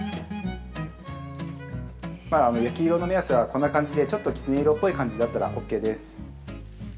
焼き色の目安は、こんな感じでちょっときつね色っぽい感じだったら、オーケーです。